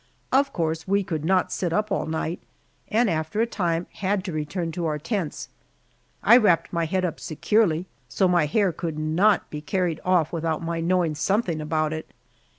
Of course we could not sit up all night, and after a time had to return to our tents. I wrapped my head up securely, so my hair could not be carried off without my knowing something about it.